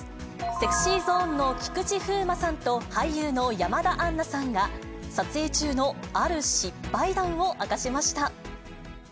ＳｅｘｙＺｏｎｅの菊池風磨さんと、俳優の山田杏奈さんが、撮影中のある失敗談を明かしました。